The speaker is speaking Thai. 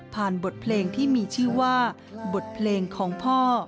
บทเพลงที่มีชื่อว่าบทเพลงของพ่อ